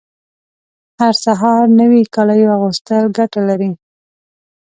هر سهار نوي کالیو اغوستل ګټه لري